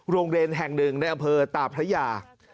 โรงเรียนแห่งหนึ่งในอำเภอตาพระยา